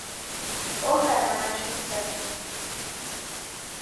Oka na machu ghizamie